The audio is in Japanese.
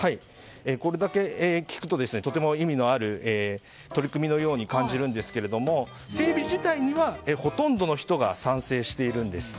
これだけ聞くと、とても意味のある取り組みのように感じるんですが、整備自体にはほとんどの人が賛成しているんです。